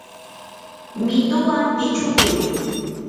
mituwan pichukuy.